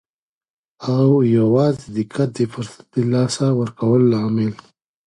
او یوازې دقت د فرصت له لاسه ورکولو لامل.